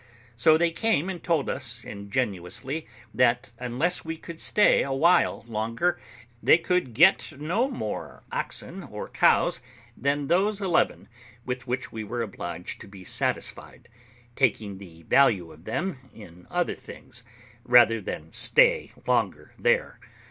So they came and told us ingenuously, that, unless we could stay a while longer, they could get no more oxen or cows than those eleven, with which we were obliged to be satisfied, taking the value of them in other things, rather than stay longer there.